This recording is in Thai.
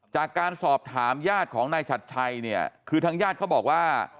จากการสอบถามญาติของนายชัดชัยเนี่ยคือทางญาติเขาบอกว่า